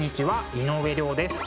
井上涼です。